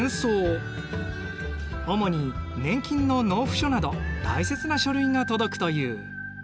主に年金の納付書など大切な書類が届くという。